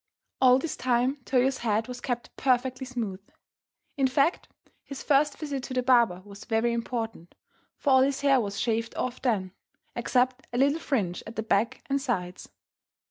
All this time Toyo's head was kept perfectly smooth. In fact, his first visit to the barber was very important, for all his hair was shaved off then except a little fringe at the back and sides.